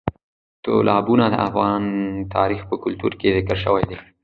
تالابونه د افغان تاریخ په کتابونو کې ذکر شوی دي.